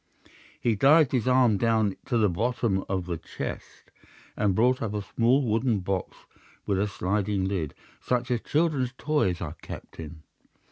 He dived his arm down to the bottom of the chest, and brought up a small wooden box with a sliding lid, such as children's toys are kept in.